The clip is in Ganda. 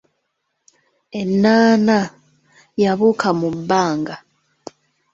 Ennaana, yabuuka mu bbanga.